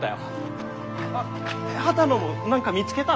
あ波多野も何か見つけたの？